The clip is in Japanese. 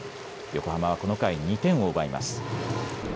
横浜はこの回、２点を奪います。